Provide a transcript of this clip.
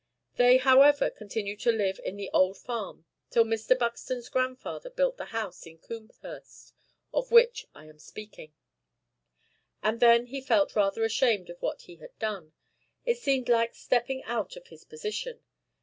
They, however, continued to live in the old farm till Mr. Buxton's grandfather built the house in Combehurst of which I am speaking, and then he felt rather ashamed of what he had done; it seemed like stepping out of his position.